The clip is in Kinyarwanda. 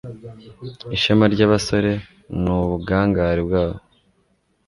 Ishema ry’abasore ni ubugangare bwabo